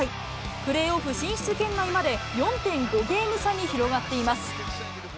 プレーオフ進出圏内まで４．５ゲーム差に広がっています。